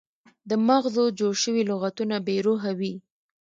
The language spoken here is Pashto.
د مغزو جوړ شوي لغتونه بې روحه وي.